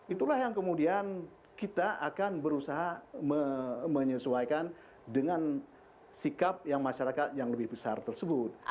itulah yang kemudian kita akan berusaha menyesuaikan dengan sikap yang masyarakat yang lebih besar tersebut